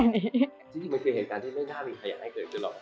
จริงมันเป็นเหตุการณ์ที่ไม่น่ามีใครอยากให้เกิดขึ้นหรอก